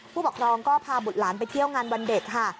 ผู้ปกครองก็พาบุตรหลานไปเที่ยวงานวันเด็กค่ะ